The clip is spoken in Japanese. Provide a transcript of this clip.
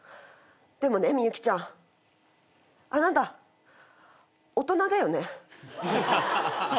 でもね幸ちゃんあなた大人だよね？